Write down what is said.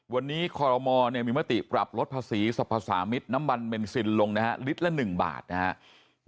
วันนี้คอรมอมีมาติปรับรถภาษีสรรพสามิทน้ำมันเบนซินลง๑บาทนะครับ